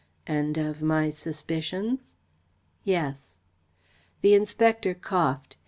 "And of my suspicions?" "Yes." The inspector coughed.